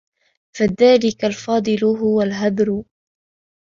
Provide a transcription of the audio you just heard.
فَذَلِكَ الْفَاضِلُ هُوَ الْهَذْرُ